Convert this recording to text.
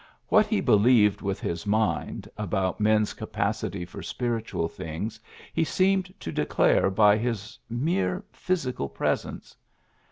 What he be lieved with his mind about men's capac ity for spiritual things he seemed to declare by his mere physical presence.